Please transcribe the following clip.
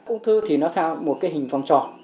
ung thư thì nó theo một hình vòng tròn